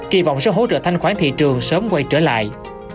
kỳ vọng sẽ hỗ trợ thanh khoản thị trường sớm quay trở lại